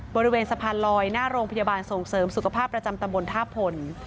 บริเวณสะพานลอยหน้าโรงพยาบาลส่งเสริมสุขภาพประจำตำบลท่าพล